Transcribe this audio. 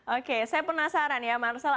oke saya penasaran ya marcel